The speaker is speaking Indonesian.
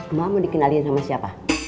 nggak mau dikenalin sama siapa